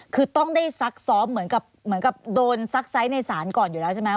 คือต้องได้ซักซ้อมเหมือนกับเหมือนกับโดนซักไซส์ในศาลก่อนอยู่แล้วใช่ไหม